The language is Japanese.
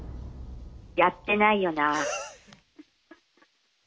やってないよな？